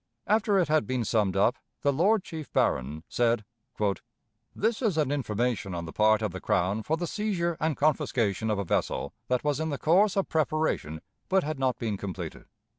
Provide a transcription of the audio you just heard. After it had been summed up, the Lord Chief Baron said: "This is an information on the part of the Crown for the seizure and confiscation of a vessel that was in the course of preparation but had not been completed.